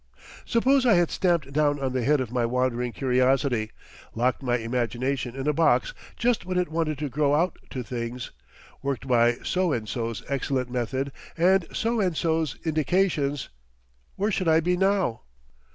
Suppose I had stamped down on the head of my wandering curiosity, locked my imagination in a box just when it wanted to grow out to things, worked by so and so's excellent method and so and so's indications, where should I be now?